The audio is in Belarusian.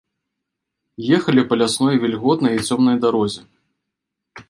Ехалі па лясной вільготнай і цёмнай дарозе.